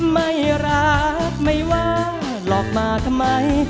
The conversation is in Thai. ไม่รักไม่ว่างหลอกมาทำไม